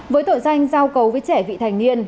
với tội danh giao cầu với trẻ vị thành niên